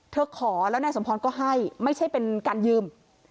ขอแล้วนายสมพรก็ให้ไม่ใช่เป็นการยืม